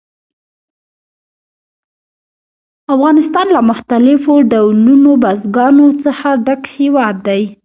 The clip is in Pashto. افغانستان له مختلفو ډولونو بزګانو څخه ډک هېواد دی.